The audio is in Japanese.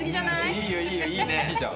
いいよいいよ。いいね。